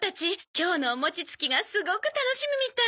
今日のお餅つきがすごく楽しみみたい。